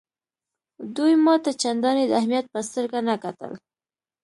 دوی ما ته چنداني د اهمیت په سترګه نه کتل.